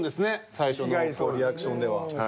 最初のリアクションでは。